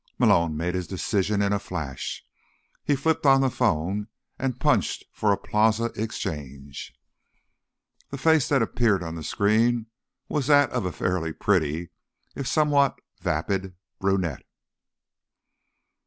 Malone made his decision in a flash. He flipped on the phone and punched for a PLaza exchange. The face that appeared on the screen was that of a fairly pretty, if somewhat vapid, brunette.